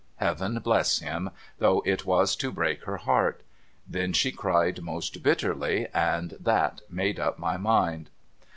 Heaven bless him ! though it was to break her heart. Then she cried most bitterly, and that made up my mind.